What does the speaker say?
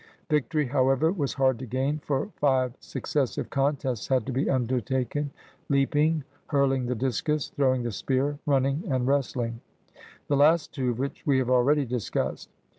Victory, however, was hard to gain, for five successive contests had to be undertaken — leaping, hurling the discus, throwing the spear, running, and wrestling — the last two of which we have already discussed.